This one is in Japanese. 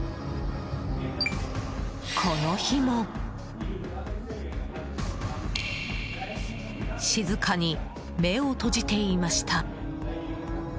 この日も静かに目を閉じていました。